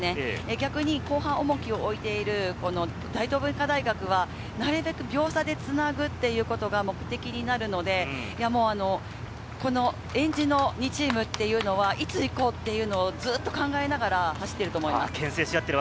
逆に後半に重きを置いている大東文化大学は、なるべく秒差でつなぐということが目的になるので、えんじの２チームというのは、いつ行こうというのをずっと考えながら走っていると思います。